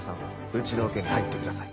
うちのオケに入ってください。